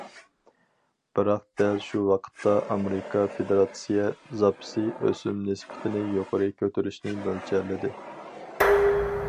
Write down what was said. بىراق دەل شۇ ۋاقىتتا ئامېرىكا فېدېراتسىيە زاپىسى ئۆسۈم نىسبىتىنى يۇقىرى كۆتۈرۈشنى مۆلچەرلىدى.